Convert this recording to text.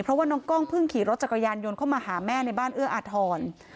เพราะว่าน้องกล้องเพิ่งขี่รถจักรยานยนต์เข้ามาหาแม่ในบ้านเอื้ออาทร